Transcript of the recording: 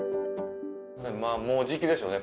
もうじきでしょうね